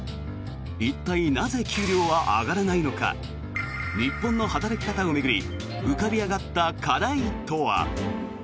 一体なぜ給料は上がらないのか日本の働き方を巡り浮かび上がった課題とは。